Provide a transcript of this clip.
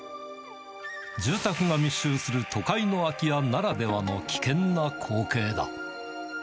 住宅が密集する都会の空き家ならではの危険な光景だ。